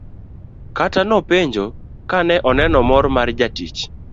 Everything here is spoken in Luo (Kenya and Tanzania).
Kata nopenjo kane oneno mor mar jatich.